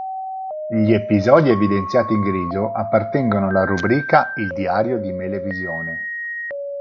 Gli episodi evidenziati in grigio appartengono alla rubrica "Il diario di Melevisione".